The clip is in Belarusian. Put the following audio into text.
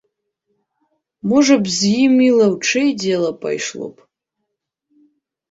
Можа б з ім лаўчэй дзела пайшло б?!